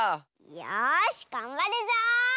よしがんばるぞ！